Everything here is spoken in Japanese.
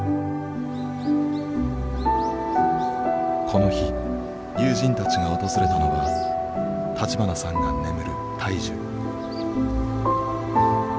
この日友人たちが訪れたのは立花さんが眠る大樹。